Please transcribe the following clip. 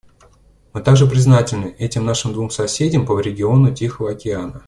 Мы также признательны этим нашим двум соседям по региону Тихого океана.